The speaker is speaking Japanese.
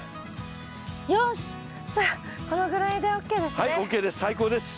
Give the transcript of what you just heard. よしじゃあこのぐらいでＯＫですね？